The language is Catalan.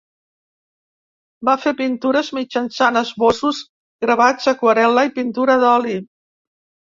Va fer pintures mitjançant esbossos, gravats, aquarel·la, i pintura d'oli.